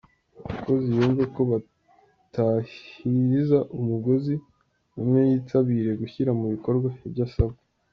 Umukozi yumve ko batahiriza umugozi umwe yitabire gushyira mu bikorwa ibyo asabwa.